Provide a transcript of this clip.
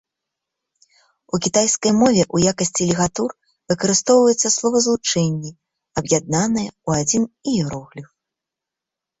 У кітайскай мове ў якасці лігатур выкарыстоўваюцца словазлучэнні, аб'яднаныя ў адзін іерогліф.